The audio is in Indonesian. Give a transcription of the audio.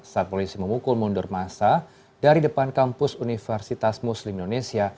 saat polisi memukul mundur masa dari depan kampus universitas muslim indonesia